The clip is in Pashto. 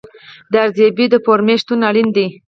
د ارزیابۍ د فورمې شتون اړین دی.